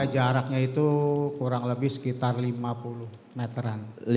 jaraknya itu kurang lebih sekitar lima puluh meter an